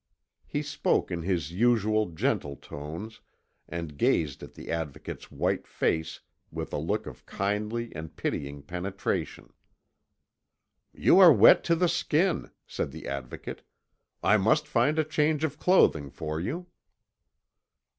He spoke in his usual gentle tones, and gazed at the Advocate's white face with a look of kindly and pitying penetration. "You are wet to the skin," said the Advocate. "I must find a change of clothing for you."